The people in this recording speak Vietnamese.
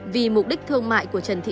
vì mục đích thương mại